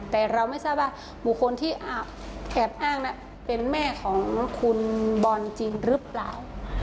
แต่เราไม่ทราบว่าบุคคลที่แอบอ้างเป็นแม่ของคุณบอลจริงหรือเปล่า